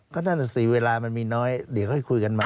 ก็นั่นแหละสิเวลามันมีน้อยเดี๋ยวค่อยคุยกันใหม่